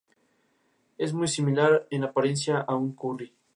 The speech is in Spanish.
En la final el orden de los partidos se determinará por un sorteo.